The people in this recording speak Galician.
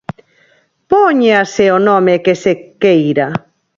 Póñase o nome que se queira.